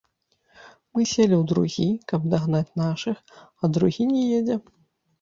Мы селі ў другі, каб дагнаць нашых, а другі не едзе.